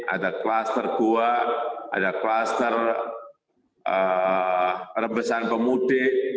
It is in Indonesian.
ada klaster gua ada klaster perbesaran pemudik